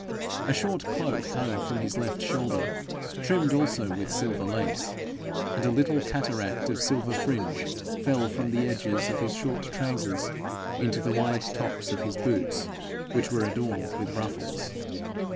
A short cloak hung from his left shoulder, trimmed also with silver lace, and a little cataract of silver fringe fell from the edges of his short trousers into the wide tops of his boots, which were adorned with ruffles.